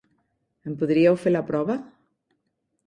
Em podríeu fer la prova?